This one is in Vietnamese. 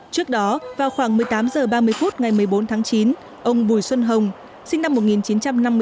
trước đó vào khoảng một mươi tám h ba mươi phút ngày một mươi bốn tháng chín ông bùi xuân hồng sinh năm một nghìn chín trăm năm mươi bốn